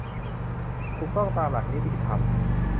ถูกต้องตามหลักนิติธรรม